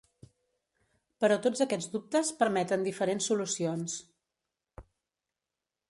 Però tots aquests dubtes permeten diferents solucions.